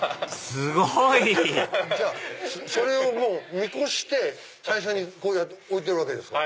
すごい！じゃあそれを見越して最初に置いてるわけですか？